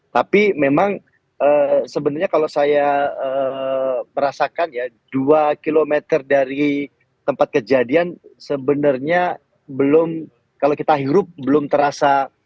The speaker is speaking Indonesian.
tapi memang sebenarnya kalau saya merasakan ya dua km dari tempat kejadian sebenarnya belum kalau kita hirup belum terasa